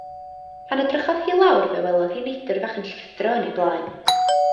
Pan edrychodd hi lawr fe welodd hi neidr fach yn llithro yn ei blaen.